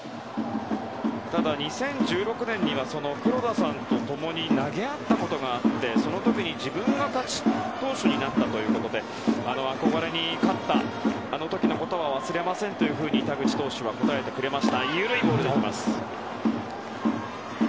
ただ２０１６年には黒田さんと共に投げ合ったことがあってその時に、自分が勝ち投手になったということで憧れに勝ったあの時のことは忘れませんと田口投手は答えてくれました。